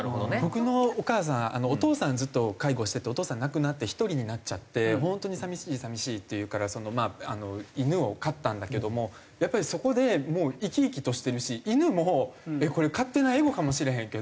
僕のお母さんお父さんずっと介護しててお父さん亡くなって１人になっちゃって本当に「寂しい寂しい」って言うからまあ犬を飼ったんだけどもやっぱりそこでもう生き生きとしてるし犬もこれ勝手なエゴかもしれへんけど